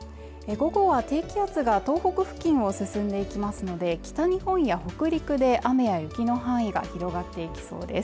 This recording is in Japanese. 午後は低気圧が東北付近を進んでいきますので北日本や北陸で雨や雪の範囲が広がっていきそうです